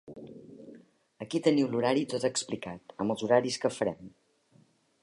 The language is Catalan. Aquí teniu l'horari tot explicat, amb els horaris que farem.